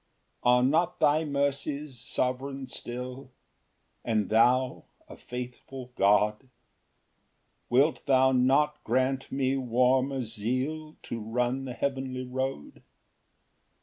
4 Are not thy mercies sovereign still? And thou a faithful God? Wilt thou not grant me warmer zeal To run the heavenly road?